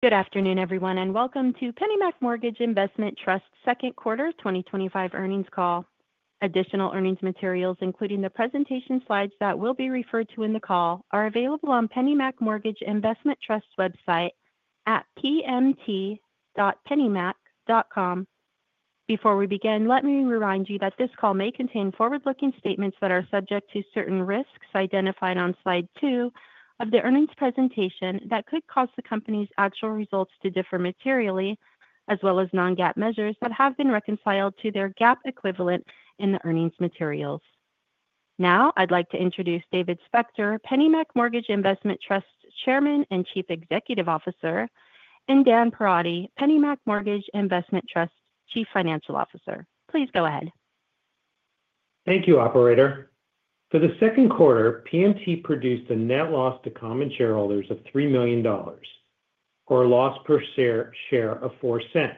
Good afternoon, everyone, and welcome to PennyMac Mortgage Investment Trust's second quarter 2025 earnings call. Additional earnings materials, including the presentation slides that will be referred to in the call, are available on PennyMac Mortgage Investment Trust's website at pmt.pennymac.com. Before we begin, let me remind you that this call may contain forward-looking statements that are subject to certain risks identified on slide two of the earnings presentation that could cause the company's actual results to differ materially, as well as non-GAAP measures that have been reconciled to their GAAP equivalent in the earnings materials. Now, I'd like to introduce David Spector, PennyMac Mortgage Investment Trust's Chairman and Chief Executive Officer, and Dan Perotti, PennyMac Mortgage Investment Trust's Chief Financial Officer. Please go ahead. Thank you, Operator. For the second quarter, PMT produced a net loss to common shareholders of $3 million, or a loss per share of $0.04,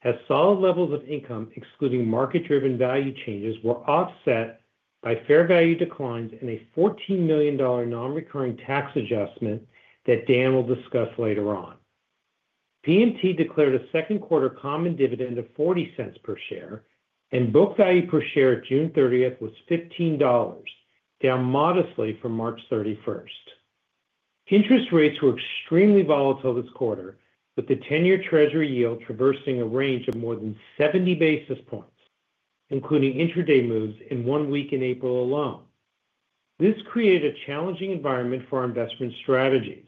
has solid levels of income excluding market-driven value changes while offset by fair value declines and a $14 million non-recurring tax adjustment that Dan will discuss later on. PMT declared a second quarter common dividend of $0.40 per share, and book value per share at June 30 was $15, down modestly from March 31. Interest rates were extremely volatile this quarter, with the 10 year treasury yield traversing a range of more than 70 basis points, including intraday moves in one week in April alone. This created a challenging environment for our investment strategies.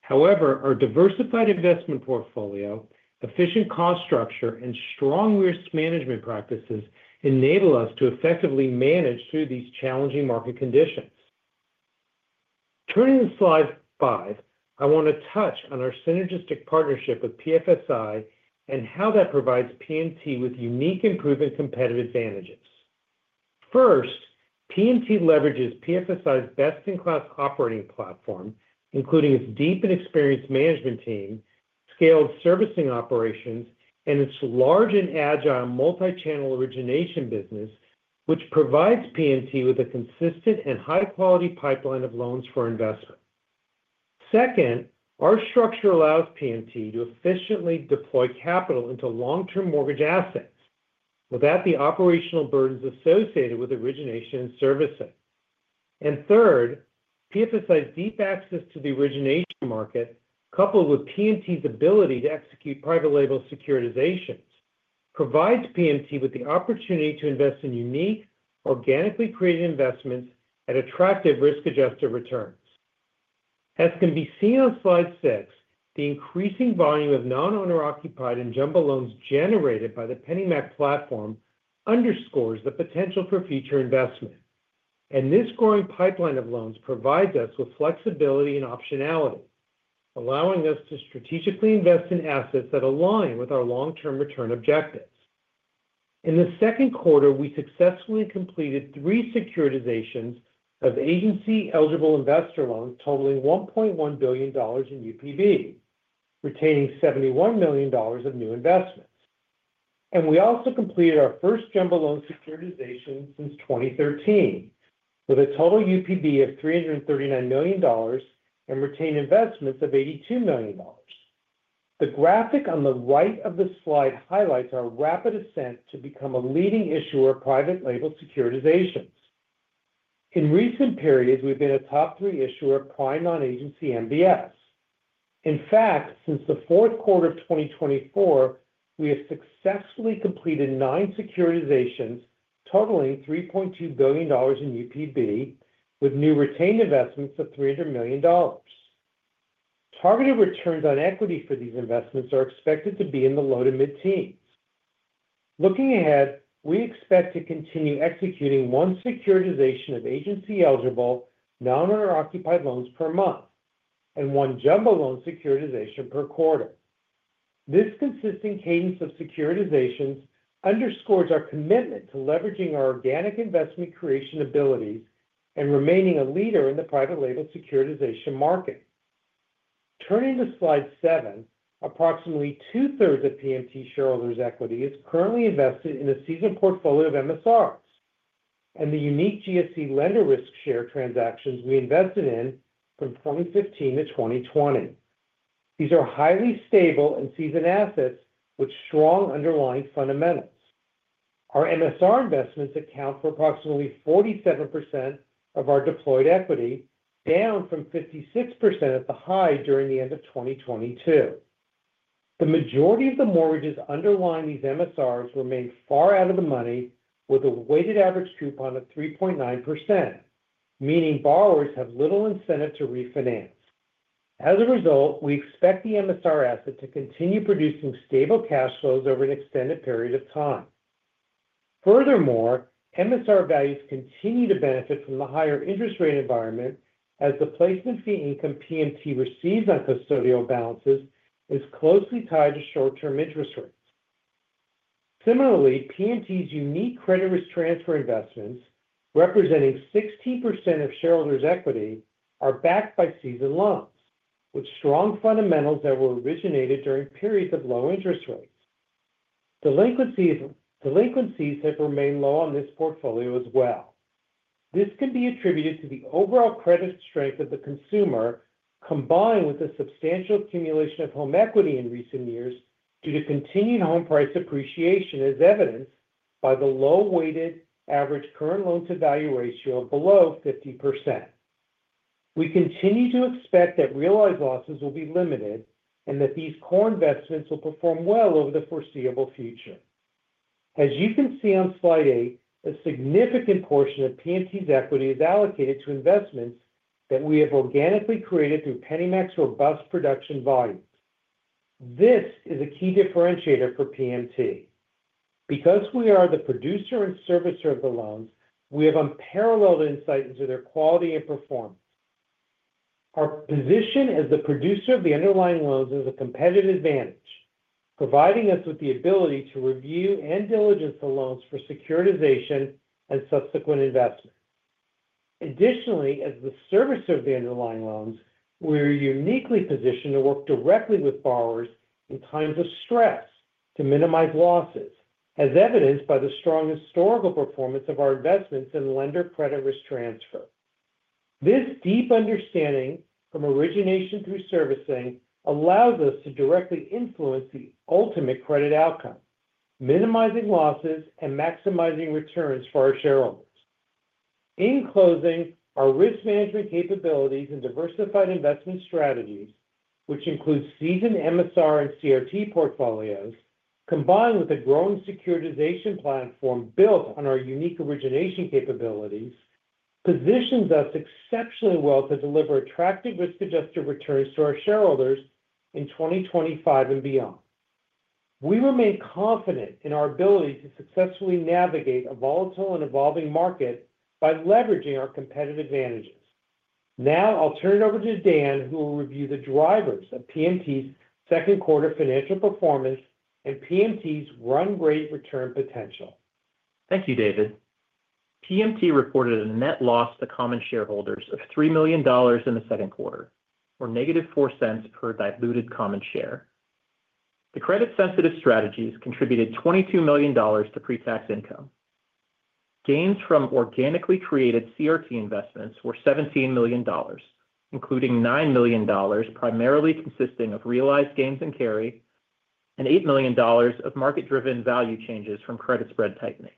However, our diversified investment portfolio, efficient cost structure, and strong risk management practices enable us to effectively manage through these challenging market conditions. Turning to slide five, I want to touch on our synergistic partnership with PFSI and how that provides PMT with unique and proven competitive advantages. First, PMT leverages PFSI's best-in-class operating platform, including its deep and experienced management team, scaled servicing operations, and its large and agile multi-channel origination business, which provides PMT with a consistent and high-quality pipeline of loans for investment. Second, our structure allows PMT to efficiently deploy capital into long-term mortgage assets without the operational burdens associated with origination and servicing. Third, PFSI's deep access to the origination market, coupled with PMT's ability to execute private-label securitizations, provides PMT with the opportunity to invest in unique, organically created investments at attractive risk-adjusted returns. As can be seen on slide six, the increasing volume of non-owner-occupied and jumbo loans generated by the PennyMac platform underscores the potential for future investment. This growing pipeline of loans provides us with flexibility and optionality, allowing us to strategically invest in assets that align with our long-term return objectives. In the second quarter, we successfully completed three securitizations of agency-eligible investor loans totaling $1.1 billion in UPB, retaining $71 million of new investments. And we also completed our first jumbo loan securitization since 2013, with a total UPB of $339 million and retained investments of $82 million. The graphic on the right of the slide highlights our rapid ascent to become a leading issuer of private-label securitizations. In recent periods, we've been a top three issuer of prime non-agency MBS. In fact, since the fourth quarter of 2024, we have successfully completed nine securitizations, totaling $3.2 billion in UPB, with new retained investments of $300 million. Targeted returns on equity for these investments are expected to be in the low to mid-teens. Looking ahead, we expect to continue executing one securitization of agency-eligible, non-owner-occupied loans per month and one jumbo loan securitization per quarter. This consistent cadence of securitizations underscores our commitment to leveraging our organic investment creation ability and remaining a leader in the private-label securitization market. Turning to slide seven, approximately two-thirds of PMT shareholders' equity is currently invested in a seasoned portfolio of MSRs. and the unique GSE lender risk share transactions we invested in, from 2015-2020. These are highly stable and seasoned assets with strong underlying fundamentals. Our MSR investments account for approximately 47% of our deployed equity, down from 56% at the high during the end of 2022. The majority of the mortgages underlying these MSRs remain far out of the money, with a weighted average coupon of 3.9%, meaning borrowers have little incentive to refinance. As a result, we expect the MSR asset to continue producing stable cash flows over an extended period of time. Furthermore, MSR values continue to benefit from the higher interest rate environment, as the placement fee income PMT receives on custodial balances is closely tied to short-term interest rates. Similarly, PMT's unique credit risk transfer investments, representing 16% of shareholders' equity, are backed by seasoned loans with strong fundamentals that were originated during periods of low interest rates. Delinquencies have remained low on this portfolio as well. This can be attributed to the overall credit strength of the consumer, combined with a substantial accumulation of home equity in recent years due to continued home price appreciation, as evidenced by the low weighted average current loan-to-value ratio below 50%. We continue to expect that realized losses will be limited and that these core investments will perform well over the foreseeable future. As you can see on slide eight, a significant portion of PMT's equity is allocated to investments that we have organically created through PennyMac to above production volume. This is a key differentiator for PMT. Because we are the producer and servicer of the loans, we have unparalleled insight into their quality and performance. Our position as the producer of the underlying loans is a competitive advantage, providing us with the ability to review and diligence the loans for securitization and subsequent investment. Additionally, as the servicer of the underlying loans, we are uniquely positioned to work directly with borrowers in times of stress to minimize losses, as evidenced by the strong historical performance of our investments in lender credit risk transfer. This deep understanding from origination through servicing allows us to directly influence the ultimate credit outcome, minimizing losses and maximizing returns for our shareholders. In closing, our risk management capabilities and diversified investment strategies, which include seasoned MSR and CRT portfolios, combined with a growing securitization platform built on our unique origination capabilities, position us exceptionally well to deliver attractive risk-adjusted returns to our shareholders in 2025 and beyond. We remain confident in our ability to successfully navigate a volatile and evolving market by leveraging our competitive advantages. Now, I'll turn it over to Dan, who will review the drivers of PMT's second quarter financial performance and PMT's run-rate return potential. Thank you David. PMT reported a net loss to common shareholders of $3 million in the second quarter, or negative $0.04 per diluted common share. The credit-sensitive strategies contributed $22 million to pre-tax income. Gains from organically created CRT investments were $17 million, including $9 million, primarily consisting of realized gains and carry, and $8 million of market-driven value changes from credit spread tightening.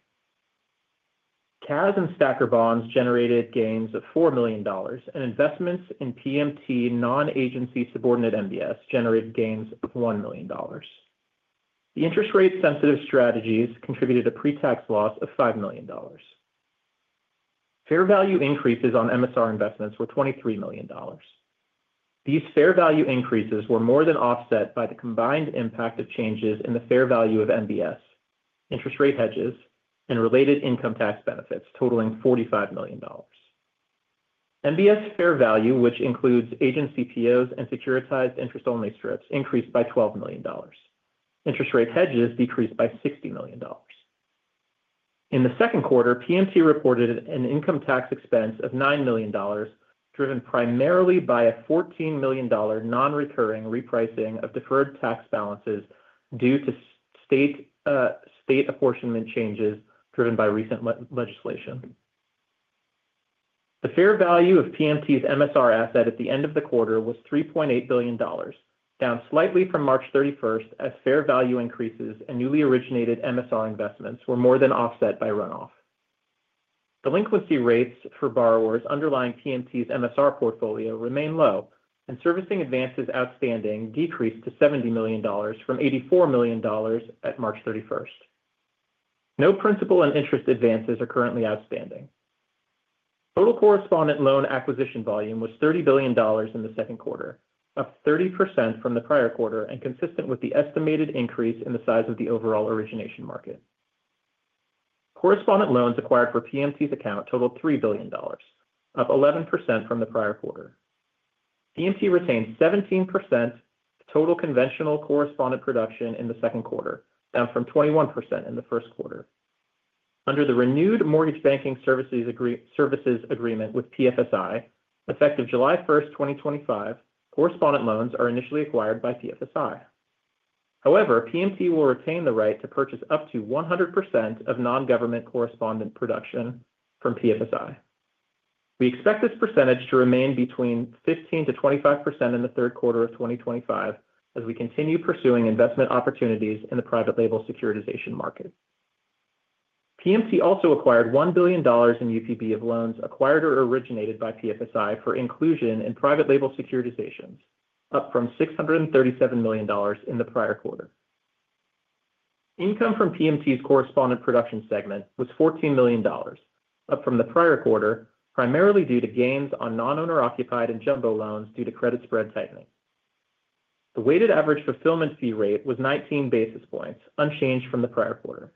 CAS and stacker bonds generated gains of $4 million, and investments in PMT non-agency subordinate MBS generated gains of $1 million. The interest rate-sensitive strategies contributed a pre-tax loss of $5 million. Fair value increases on MSR investments were $23 million. These fair value increases were more than offset by the combined impact of changes in the fair value of MBS, interest rate hedges, and related income tax benefits, totaling $45 million. MBS fair value, which includes agency POs and securitized interest-only strips, increased by $12 million. Interest rate hedges decreased by $60 million. In the second quarter, PMT reported an income tax expense of $9 million, driven primarily by a $14 million non-recurring repricing of deferred tax balances due to state apportionment changes driven by recent legislation. The fair value of PMT's MSR asset at the end of the quarter was $3.8 billion, down slightly from March 31, as fair value increases and newly originated MSR investments were more than offset by runoff. Delinquency rates for borrowers underlying PMT's MSR portfolio remain low, and servicing advances outstanding decreased to $70 million from $84 million at March 31. No principal and interest advances are currently outstanding. Total correspondent loan acquisition volume was $30 billion in the second quarter, up 30% from the prior quarter and consistent with the estimated increase in the size of the overall origination market. Correspondent loans acquired for PMT's account totaled $3 billion, up 11% from the prior quarter. PMT retained 17% of total conventional correspondent production in the second quarter, down from 21% in the first quarter. Under the renewed mortgage banking services agreement with PFSI, effective July 1, 2025, correspondent loans are initially acquired by PFSI. However, PMT will retain the right to purchase up to 100% of non-government correspondent production from PFSI. We expect this percentage to remain between 15% to 25% in the third quarter of 2025 as we continue pursuing investment opportunities in the private-label securitization market. PMT also acquired $1 billion in UPB of loans acquired or originated by PFSI for inclusion in private-label securitizations, up from $637 million in the prior quarter. Income from PMT's correspondent production segment was $14 million, up from the prior quarter, primarily due to gains on non-owner-occupied and jumbo loans due to credit spread tightening. The weighted average fulfillment fee rate was 19 basis points, unchanged from the prior quarter.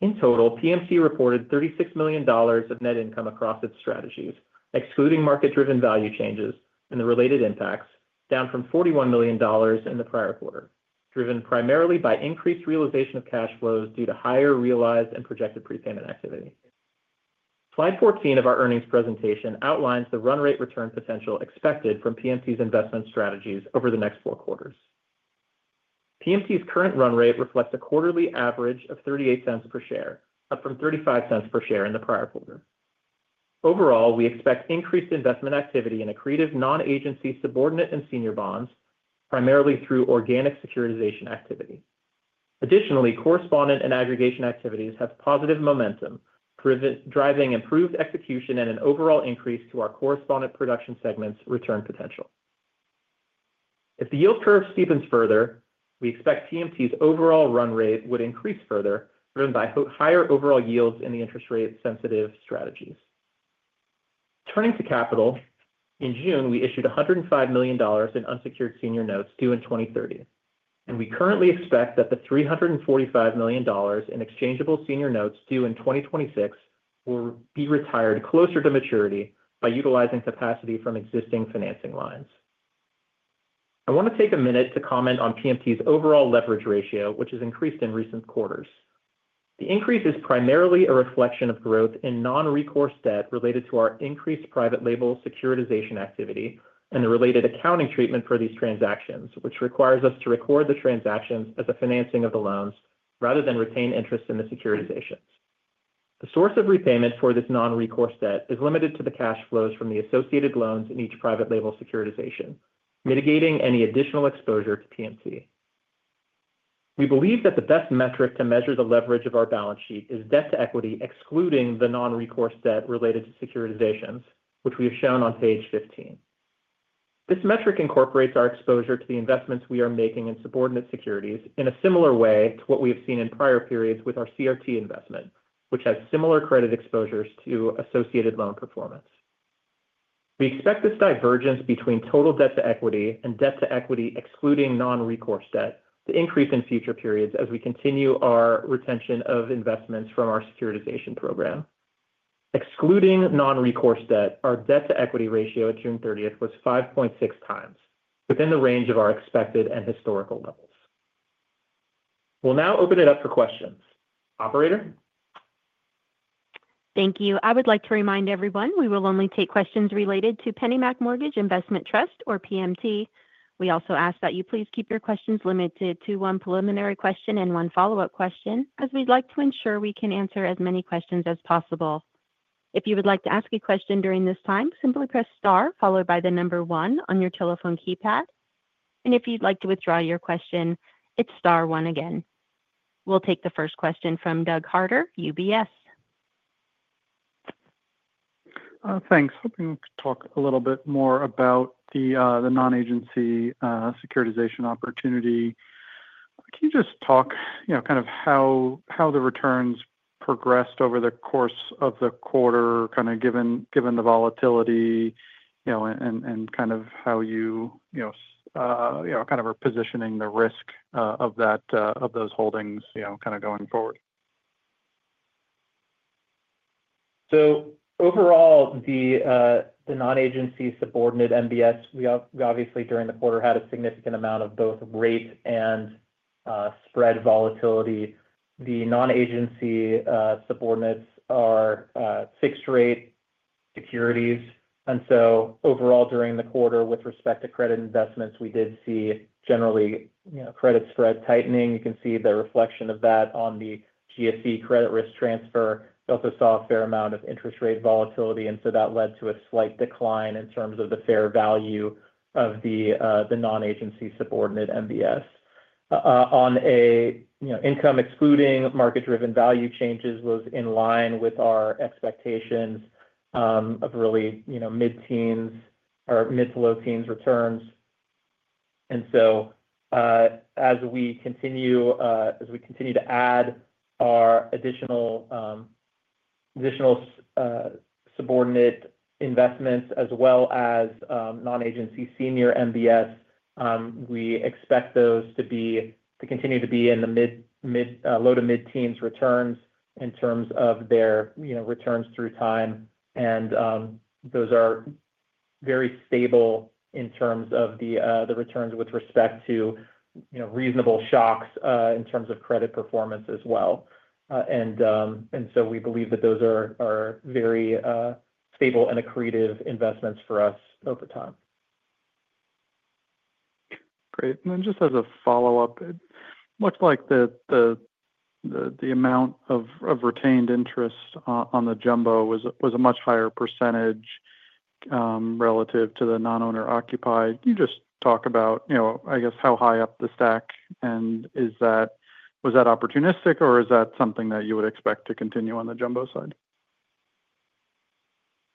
In total, PMT reported $36 million of net income across its strategies, excluding market-driven value changes and the related impacts, down from $41 million in the prior quarter, driven primarily by increased realization of cash flows due to higher realized and projected prepayment activity. Slide 14 of our earnings presentation outlines the run-rate return potential expected from PMT's investment strategies over the next four quarters. PMT's current run rate reflects a quarterly average of $0.38 per share, up from $0.35 per share in the prior quarter. Overall, we expect increased investment activity in accretive non-agency subordinate and senior bonds, primarily through organic securitization activity. Additionally, correspondent and aggregation activities have positive momentum, driving improved execution and an overall increase to our correspondent production segment's return potential. If the yield curve steepens further, we expect PMT's overall run rate would increase further, driven by higher overall yields in the interest rate-sensitive strategies. Turning to capital, in June, we issued $105 million in unsecured senior notes due in 2030, and we currently expect that the $345 million in exchangeable senior notes due in 2026 will be retired closer to maturity by utilizing capacity from existing financing lines. I want to take a minute to comment on PMT's overall leverage ratio, which has increased in recent quarters. The increase is primarily a reflection of growth in non-recourse debt related to our increased private-label securitization activity and the related accounting treatment for these transactions, which requires us to record the transactions as the financing of the loans rather than retain interest in the securitizations. The source of repayment for this non-recourse debt is limited to the cash flows from the associated loans in each private-label securitization, mitigating any additional exposure to PMT. We believe that the best metric to measure the leverage of our balance sheet is debt to equity, excluding the non-recourse debt related to securitizations, which we have shown on page 15. This metric incorporates our exposure to the investments we are making in subordinate securities in a similar way to what we have seen in prior periods with our CRT investment, which has similar credit exposures to associated loan performance. We expect this divergence between total debt to equity and debt to equity, excluding non-recourse debt, to increase in future periods as we continue our retention of investments from our securitization program. Excluding non-recourse debt, our debt to equity ratio at June 30 was 5.6 times, within the range of our expected and historical levels. We'll now open it up for questions. Operator? Thank you. I would like to remind everyone we will only take questions related to PennyMac Mortgage Investment Trust, or PMT. We also ask that you please keep your questions limited to one preliminary question and one follow-up question, as we'd like to ensure we can answer as many questions as possible. If you would like to ask a question during this time, simply press star followed by the number one on your telephone keypad. If you'd like to withdraw your question, it's star one again. We'll take the first question from Doug Harter, UBS. Thanks. Hoping we could talk a little bit more about the non-agency securitization opportunity. Can you just talk kind of how the returns progressed over the course of the quarter, given the volatility, and how you are positioning the risk of those holdings going forward? Overall, the non-agency subordinate MBS, we obviously during the quarter had a significant amount of both rate and spread volatility. The non-agency subordinates are fixed-rate securities. Overall, during the quarter, with respect to credit investments, we did see generally credit spread tightening. You can see the reflection of that on the GSE credit risk transfer. We also saw a fair amount of interest rate volatility, and that led to a slight decline in terms of the fair value of the non-agency subordinate MBS. Income excluding market-driven value changes was in line with our expectations of really mid-teens or mid to low-teens returns. As we continue to add our additional subordinate investments, as well as non-agency senior MBS, we expect those to continue to be in the low to mid-teens returns in terms of their returns through time. Those are very stable in terms of the returns with respect to reasonable shocks in terms of credit performance as well. We believe that those are very stable and accretive investments for us over time. Great. Just as a follow-up, it looks like the amount of retained interest on the jumbo was a much higher percentage relative to the non-owner-occupied. Could you talk about, you know, I guess how high up the stack, and was that opportunistic, or is that something that you would expect to continue on the jumbo side?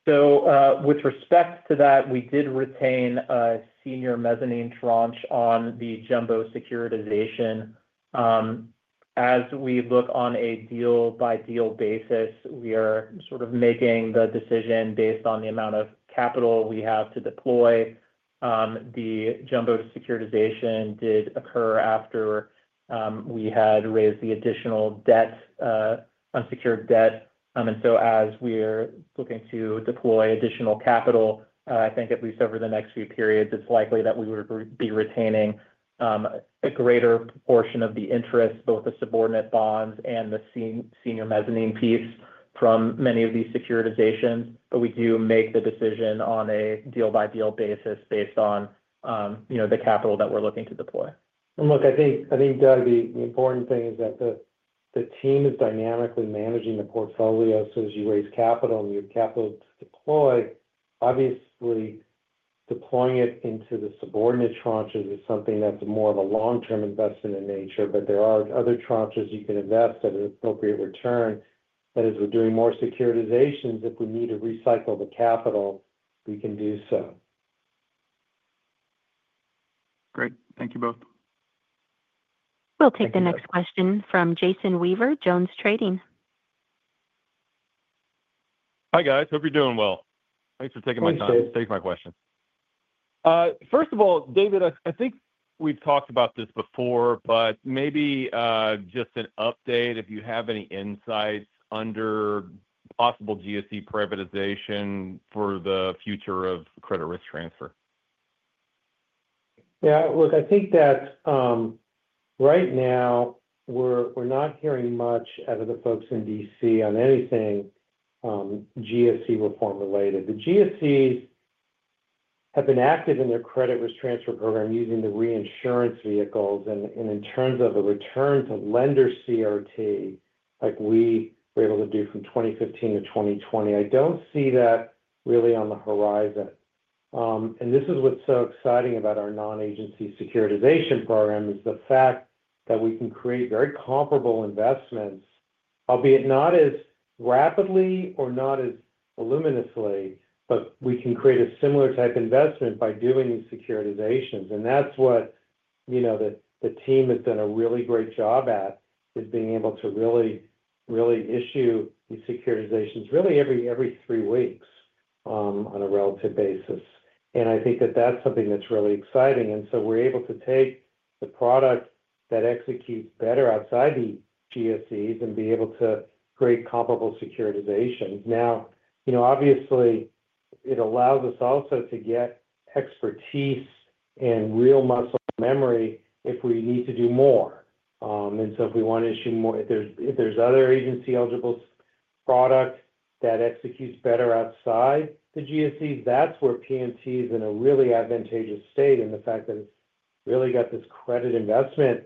With respect to that, we did retain a senior mezzanine tranche on the jumbo securitization. As we look on a deal-by-deal basis, we are sort of making the decision based on the amount of capital we have to deploy. The jumbo securitization did occur after we had raised the additional unsecured debt. As we are looking to deploy additional capital, I think at least over the next few periods, it's likely that we would be retaining a greater portion of the interest, both the subordinate bonds and the senior mezzanine piece from many of these securitizations. We do make the decision on a deal-by-deal basis based on the capital that we're looking to deploy. I think, Doug, the important thing is that the team is dynamically managing the portfolio. As you raise capital and you have capital to deploy, obviously, deploying it into the subordinate tranches is something that's more of a long-term investment in nature. There are other tranches you can invest at an appropriate return. That is, we're doing more securitizations. If we need to recycle the capital, we can do so. Great. Thank you both. We'll take the next question from Jason Weaver, Jones Trading. Hi, guys. Hope you're doing well. Thanks for taking my time. Thanks for taking my question. First of all, David, I think we've talked about this before, but maybe just an update if you have any insight under possible GSE privatization for the future of credit risk transfer. Yeah, look, I think that right now we're not hearing much out of the folks in D.C. on anything GSE reform related. The GSEs have been active in their credit risk transfer program using the reinsurance vehicles. In terms of a return to lender CRT, like we were able to do from 2015-2020, I don't see that really on the horizon. This is what's so exciting about our non-agency securitization program. The fact that we can create very comparable investments, albeit not as rapidly or not as voluminously, but we can create a similar type of investment by doing these securitizations. That's what the team has done a really great job at, being able to really, really issue these securitizations every three weeks on a relative basis. I think that's something that's really exciting. We're able to take the product that executes better outside the GSEs and be able to create comparable securitizations. Obviously, it allows us also to get expertise and real muscle memory if we need to do more. If we want to issue more, if there's other agency-eligible products that execute better outside the GSE, that's where PMT is in a really advantageous state in the fact that it's really got this credit investment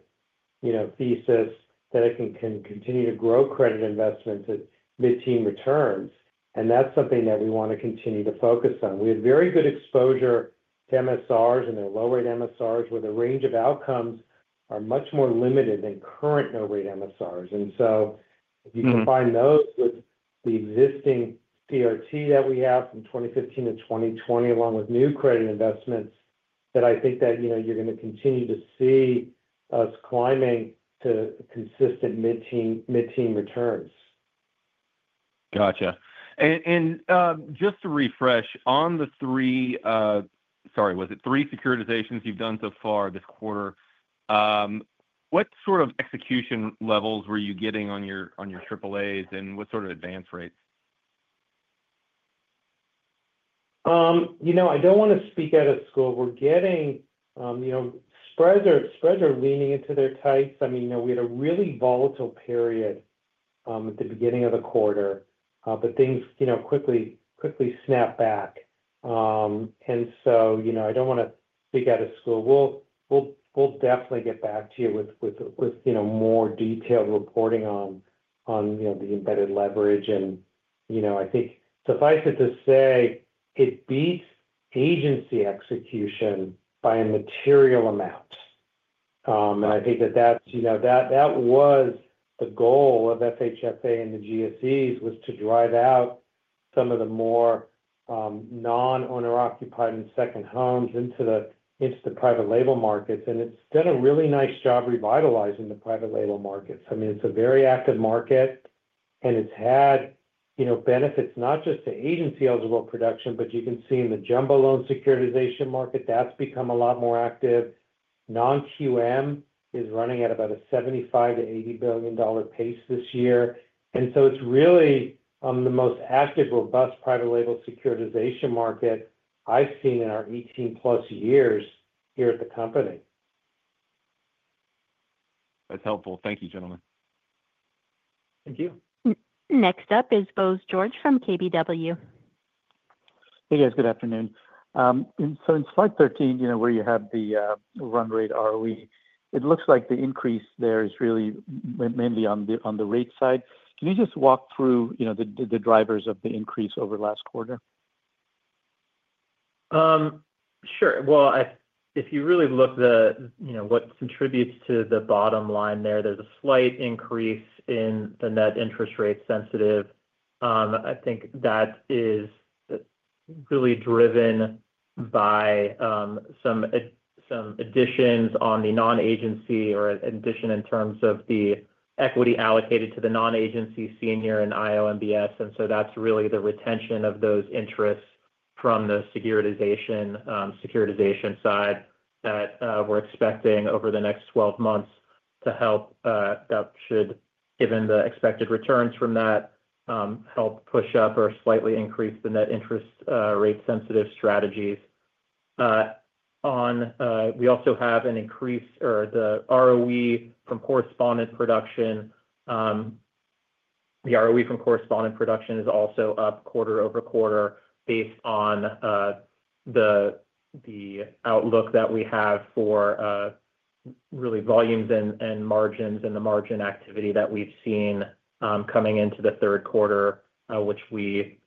thesis that it can continue to grow credit investment to mid-teen returns. That's something that we want to continue to focus on. We have very good exposure to MSRs and they're low-rate MSRs where the range of outcomes are much more limited than current no-rate MSRs. If you combine those with the existing CRT that we have from 2015 to 2020, along with new credit investments, I think that you're going to continue to see us climbing to consistent mid-teen returns. Gotcha. Just to refresh, on the three securitizations you've done so far this quarter, what sort of execution levels were you getting on your AAAs and what sort of advance rates? I don't want to speak out of scope. We're getting spreads are leaning into their tights. We had a really volatile period at the beginning of the quarter, but things quickly snapped back. I don't want to speak out of scope. We'll definitely get back to you with more detailed reporting on the embedded leverage. I think suffice it to say, it beats agency execution by a material amount. I think that was the goal of FHFA and the GSEs, to drive out some of the more non-owner-occupied and second homes into the private-label markets. It's done a really nice job revitalizing the private-label markets. It's a very active market, and it's had benefits not just to agency-eligible production, but you can see in the jumbo loan securitization market, that's become a lot more active. Non-QM is running at about a $75-$80 billion pace this year. It's really the most active, robust private-label securitization market I've seen in our 18-plus years here at the company. That's helpful. Thank you, gentlemen. Thank you. Next up is Bose George from KBW. Hey, guys. Good afternoon. In slide 13, where you have the run rate ROE, it looks like the increase there is really mainly on the rate side. Can you just walk through the drivers of the increase over the last quarter? Sure. If you really look at what contributes to the bottom line there, there's a slight increase in the net interest rate sensitive. I think that is really driven by some additions on the non-agency or an addition in terms of the equity allocated to the non-agency senior and IOMBS. That's really the retention of those interests from the securitization side that we're expecting over the next 12 months to help. That should, given the expected returns from that, help push up or slightly increase the net interest rate sensitive strategies. We also have an increase or the ROE from correspondent production. The ROE from correspondent production is also up quarter over quarter based on the outlook that we have for volumes and margins and the margin activity that we've seen coming into the third quarter, which we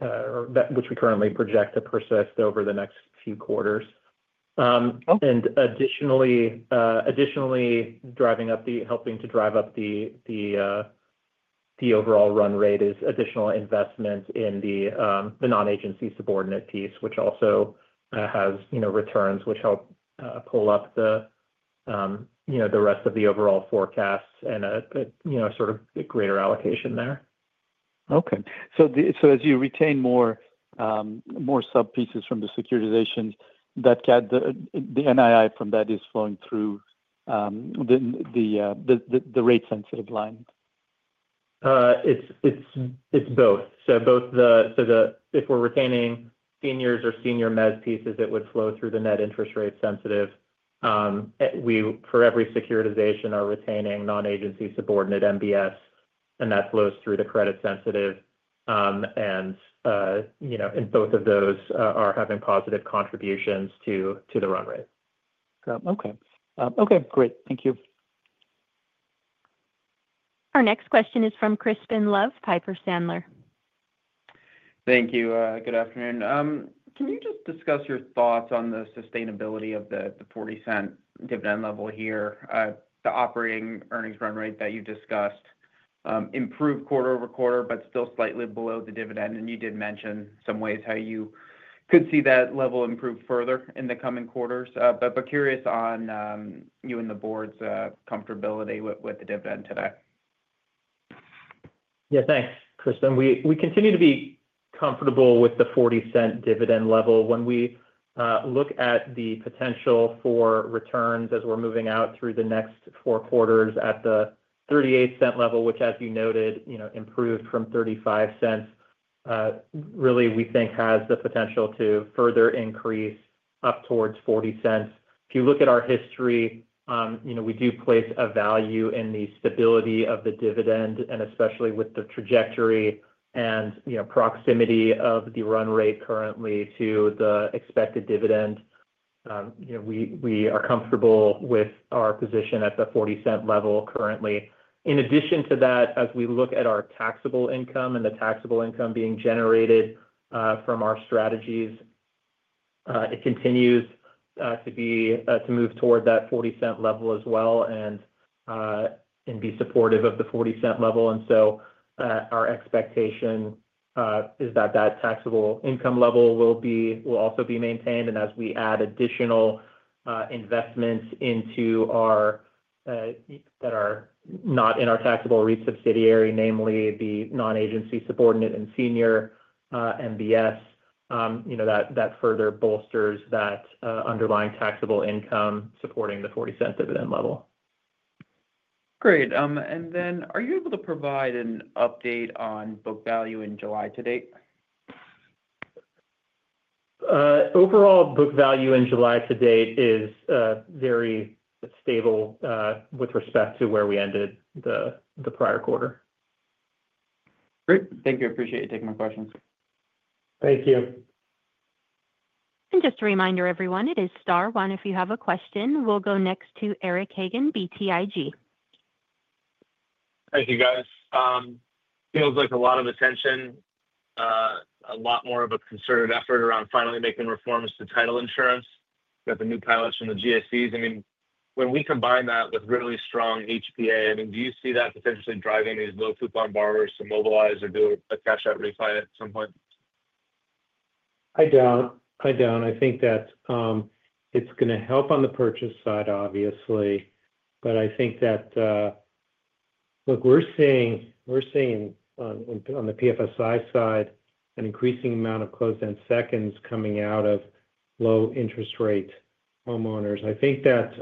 currently project to persist over the next few quarters. Additionally, driving up the overall run rate is additional investment in the non-agency subordinate piece, which also has returns which help pull up the rest of the overall forecast and a sort of greater allocation there. Okay. As you retain more sub-pieces from the securitizations, the NII from that is flowing through the rate-sensitive line? It's both. Both the, if we're retaining seniors or senior mezzanine pieces, it would flow through the net interest rate sensitive. For every securitization, we are retaining non-agency subordinate MBS, and that flows through the credit sensitive. Both of those are having positive contributions to the run rate. Got it. Okay. Great. Thank you. Our next question is from Crispin Love, Piper Sandler. Thank you. Good afternoon. Can you just discuss your thoughts on the sustainability of the $0.40 dividend level here, the operating earnings run rate that you discussed? Improved quarter over quarter, but still slightly below the dividend. You did mention some ways how you could see that level improve further in the coming quarters. Curious on you and the board's comfortability with the dividend today. Yeah, thanks, Crispin. We continue to be comfortable with the $0.40 dividend level. When we look at the potential for returns as we're moving out through the next four quarters at the $0.38 level, which, as you noted, improved from $0.35, really, we think has the potential to further increase up towards $0.40. If you look at our history, we do place a value in the stability of the dividend, especially with the trajectory and proximity of the run rate currently to the expected dividend. We are comfortable with our position at the $0.40 level currently. In addition to that, as we look at our taxable income and the taxable income being generated from our strategies, it continues to move toward that $0.40 level as well and be supportive of the $0.40 level. Our expectation is that that taxable income level will also be maintained. As we add additional investments that are not in our taxable REIT subsidiary, namely the non-agency subordinate and senior MBS, that further bolsters that underlying taxable income supporting the $0.40 dividend level. Great. Are you able to provide an update on book value in July to date? Overall, book value in July to date is very stable with respect to where we ended the prior quarter. Great. Thank you. I appreciate you taking my questions. Thank you. Just a reminder, everyone, it is star one if you have a question. We'll go next to Eric Hagen, BTIG. Thank you, guys. Feels like a lot of attention, a lot more of a concerted effort around finally making reforms to title insurance. We have the new pilots from the GSEs. I mean, when we combine that with really strong HPA, do you see that potentially driving these low coupon borrowers to mobilize or do a cash-out refinance at some point? I think that it's going to help on the purchase side, obviously. I think that, look, we're seeing on the PFSI side, an increasing amount of closed-end seconds coming out of low-interest-rate homeowners. I think that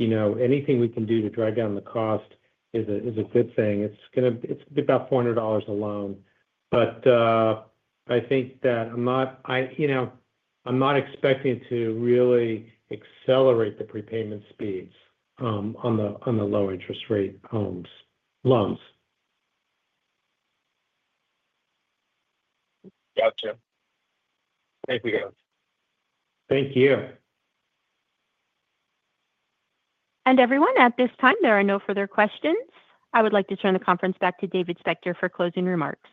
anything we can do to drive down the cost is a good thing. It's going to be about $400 a loan. I think that I'm not expecting to really accelerate the prepayment speeds on the low-interest-rate loans. Gotcha. Thank you, guys. Thank you. At this time, there are no further questions. I would like to turn the conference back to David Spector for closing remarks.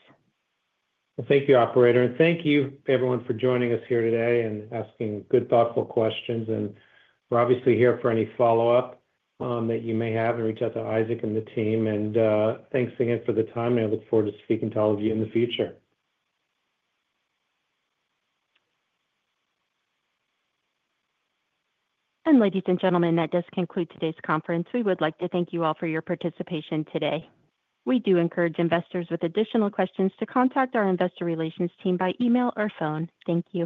Thank you, Operator. Thank you, everyone, for joining us here today and asking good, thoughtful questions. We are obviously here for any follow-up that you may have, so please reach out to Isaac and the team. Thanks again for the time, and I look forward to speaking to all of you in the future. Ladies and gentlemen, that does conclude today's conference. We would like to thank you all for your participation today. We encourage investors with additional questions to contact our investor relations team by email or phone. Thank you.